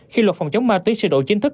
khi luật phòng chống ma túy sửa đổi chính thức